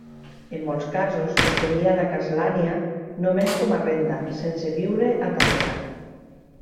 En molts casos, es tenia la castlania només com a renda, sense viure a Tàrrega.